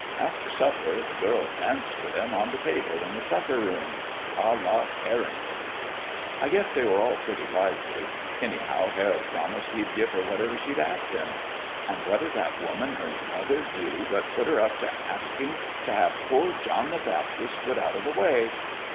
After supper, the girl danced for them on the table in the supper room, à la Carrington. I guess they were all pretty lively anyhow Herod promised he'd give her whatever she'd ask him. And what does that woman, her mother, do but put her up to asking to have poor John the Baptist put out of the way.